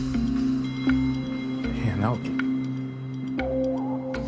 いや直樹？